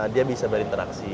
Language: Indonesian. dia bisa berinteraksi